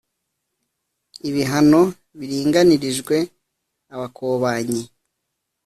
ibihano biringanirijwe abakobanyi,